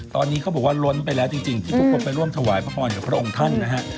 ตอนนี้เขาบอกว่าล้นไปแล้วจริงที่ทุกคนไปร่วมถวายพระพรกับพระองค์ท่านนะฮะ